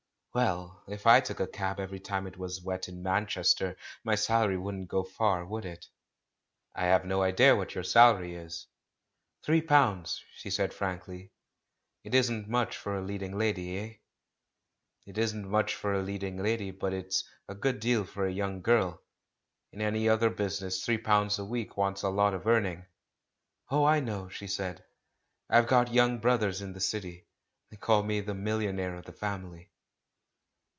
"Well, if I took a cab every time it was wet in Manchester, my salary wouldn't go far, would it?" "I have no idea what your salary is." "Three pounds," she said frankly. "It isn't much for a leading lady, eh?" "It isn't much for a leading lady, but it's a good deal for a young girl. In any other business three pounds a week wants a lot of earning." "Oh, I know," she said. "I've got young brothers in the city. They call me 'the million aire of the family.'